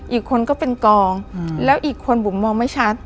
อีกคนก็เป็นกองแล้วอีกคนบุ๋มมองไม่ชัด